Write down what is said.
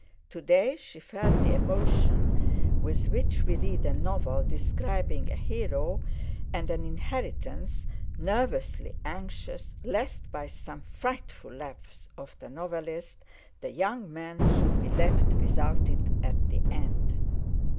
To day she felt the emotion with which we read a novel describing a hero and an inheritance, nervously anxious lest, by some frightful lapse of the novelist, the young man should be left without it at the end.